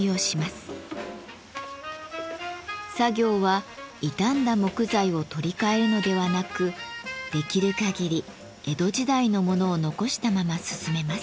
作業は傷んだ木材を取り替えるのではなくできるかぎり江戸時代のものを残したまま進めます。